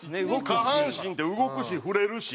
下半身って動くし触れるし。